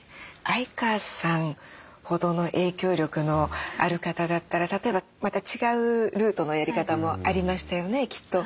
相川さんほどの影響力のある方だったら例えばまた違うルートのやり方もありましたよねきっと。